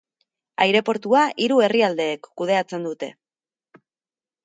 Aireportua hiru herrialdeek kudeatzen dute.